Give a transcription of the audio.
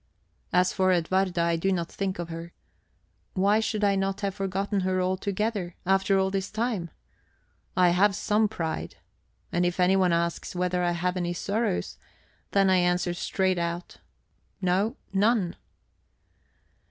As for Edwarda, I do not think of her. Why should I not have forgotten her altogether, after all this time? I have some pride. And if anyone asks whether I have any sorrows, then I answer straight out, "No none."